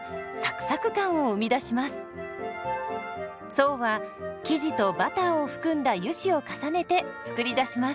層は生地とバターを含んだ油脂を重ねて作り出します。